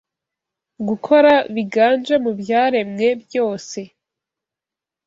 Gukora biganje mu byaremwe byose